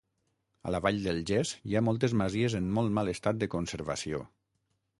A la vall del Ges hi ha moltes masies en molt mal estat de conservació.